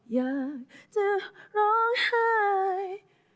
อยากจะร้องไห้